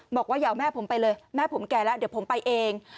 บอกว่าอย่าเอาแม่ผมไปเลยแม่ผมแก่แล้วเดี๋ยวผมไปเอง